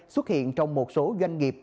xuất hiện trong một số doanh nghiệp